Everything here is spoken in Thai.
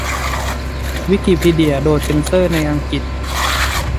วิกิพีเดียโดนเซนเซอร์ในอังกฤษ